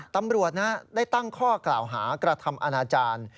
ตำรวจได้ตั้งข้อกล่าวหากระทำอนาจารย์